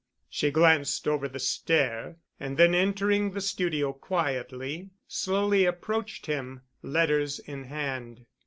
She glanced over the stair and then entering the studio quietly, slowly approached him, letters in hand.